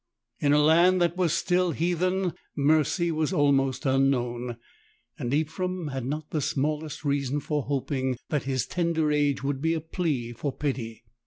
In a land that was still heathen mercy was almost unknown, and Ephrem had not the small est reason for hoping that his tender age would be a plea for pity.